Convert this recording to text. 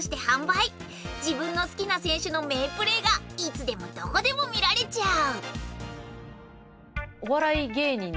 自分の好きな選手の名プレーがいつでもどこでも見られちゃう！